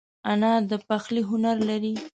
انا د پخلي هنر لري